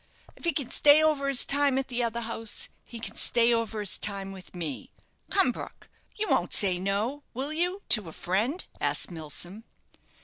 If he can stay over his time at the other house, he can stay over his time with me. Come, Brook, you won't say no, will you, to a friend?" asked Milsom.